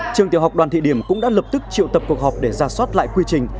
trường tiểu học đoàn thị điểm cũng đã lập tức triệu tập cuộc họp để ra soát lại quy trình